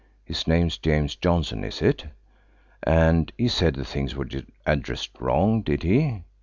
His name's James Johnson, is it? And he said the things were addressed wrong, did he?